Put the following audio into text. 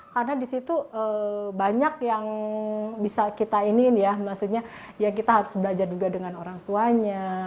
karena di situ banyak yang bisa kita iniin ya maksudnya kita harus belajar juga dengan orang tuanya